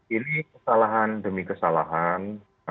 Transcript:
ini kesalahan demi kesalahan